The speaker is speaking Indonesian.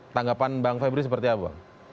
tanggapan bang febri seperti apa